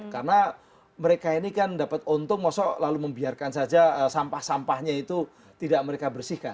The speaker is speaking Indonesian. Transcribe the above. karena mereka ini kan dapat untung maksudnya lalu membiarkan saja sampah sampahnya itu tidak mereka bersihkan